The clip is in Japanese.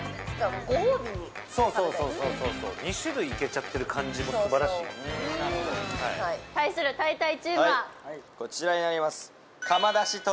もうご褒美にそうそうそうそう２種類いけちゃってる感じも素晴らしい対するたいたいチームはこちらになります